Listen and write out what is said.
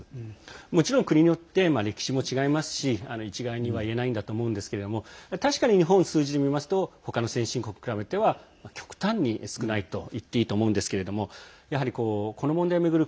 もちろん国によって歴史も違いますし一概には言えないと思いますが確かに日本の数字を見ますとほかの先進国と比べて極端に少ないといっていいと思うんですけどやはり、この問題を巡る